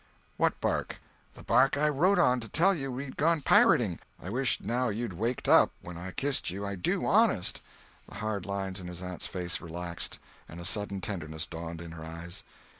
"What bark?" "The bark I had wrote on to tell you we'd gone pirating. I wish, now, you'd waked up when I kissed you—I do, honest." The hard lines in his aunt's face relaxed and a sudden tenderness dawned in her eyes.